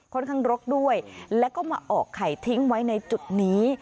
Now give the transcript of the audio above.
ค่อนข้างรกด้วยแล้วก็มาออกไข่ทิ้งไว้ในจุดนี้